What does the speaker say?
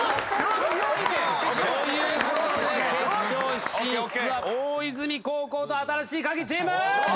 ということで決勝進出は大泉高校と新しいカギチーム！